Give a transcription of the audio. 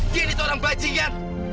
dia ini seorang bajingan